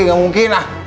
gak mungkin lah